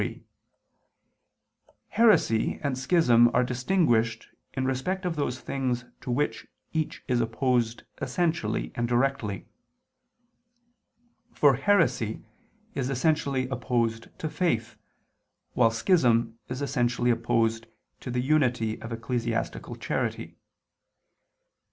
3: Heresy and schism are distinguished in respect of those things to which each is opposed essentially and directly. For heresy is essentially opposed to faith, while schism is essentially opposed to the unity of ecclesiastical charity.